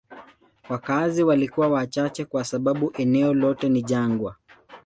Wakazi walikuwa wachache kwa sababu eneo lote ni jangwa.